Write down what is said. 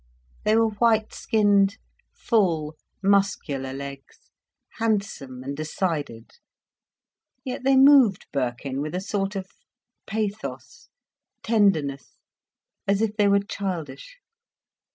They were white skinned, full, muscular legs, handsome and decided. Yet they moved Birkin with a sort of pathos, tenderness, as if they were childish.